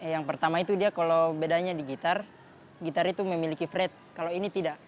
yang pertama itu dia kalau bedanya di gitar gitar itu memiliki fred kalau ini tidak